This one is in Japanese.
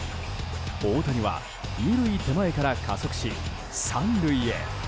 大谷は２塁手前から加速し３塁へ。